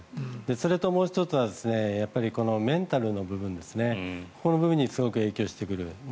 それともう１つはメンタルの部分にすごく影響してくる。